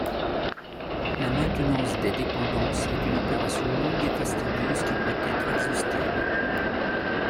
La maintenance des dépendances est une opération longue et fastidieuse qui doit être exhaustive.